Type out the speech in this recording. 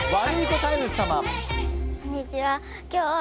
こんにちは。